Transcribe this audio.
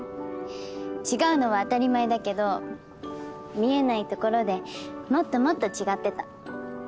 違うのは当たり前だけど見えないところでもっともっと違ってた。